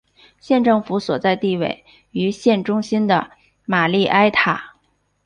县政府所在地位于县中心的玛丽埃塔。